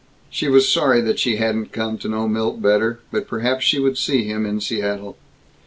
She was sorry that she hadn't come to know Milt better, but perhaps she would see him in Seattle.